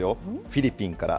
フィリピンから。